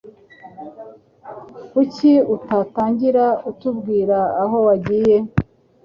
Kuki utatangira utubwira aho wagiye?